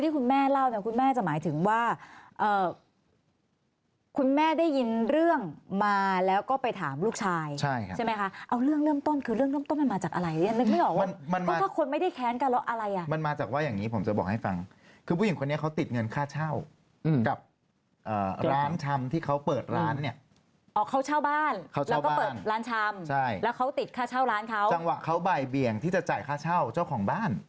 คุณแม่ได้ยินเรื่องมาแล้วก็ไปถามลูกชายใช่ไหมคะเอาเรื่องเริ่มต้นคือเรื่องเริ่มต้นมันมาจากอะไรนึกไม่เหรอว่ามันมาถ้าคนไม่ได้แค้นกันแล้วอะไรอ่ะมันมาจากว่าอย่างงี้ผมจะบอกให้ฟังคือผู้หญิงคนนี้เขาติดเงินค่าเช่าอืมกับอ่าร้านชำที่เขาเปิดร้านเนี้ยอ๋อเขาเช่าบ้านเขาเช่าบ้าน